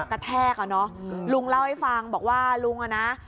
กระแทกอ่ะเนอะลุงเล่าให้ฟังบอกว่าลุงอ่ะนะ